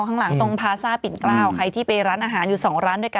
ข้างหลังตรงพาซ่าปิ่นกล้าวใครที่ไปร้านอาหารอยู่๒ร้านด้วยกัน